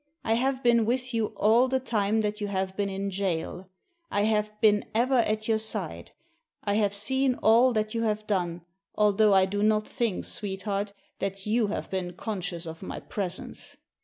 . I have been with you all the time that you have been in jail; I have been ever at your side, I have seen all that you have done, although I do not think, sweetheart, that you have been conscious of my presence.